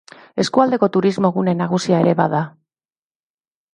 Eskualdeko turismo-gune nagusia ere bada.